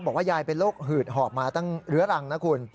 บอกว่ายายเป็นโรคหืดหอบมาตั้งเรื้อรังนะคุณ